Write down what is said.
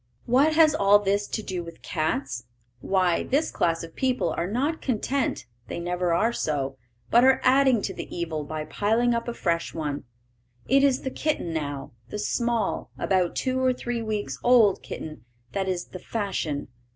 What has all this to do with cats? Why, this class of people are not content, they never are so; but are adding to the evil by piling up a fresh one. It is the kitten now, the small, about two or three weeks old kitten that is the "fashion."